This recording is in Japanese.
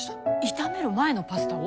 炒める前のパスタを？